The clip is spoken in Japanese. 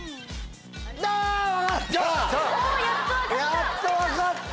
やっと分かった！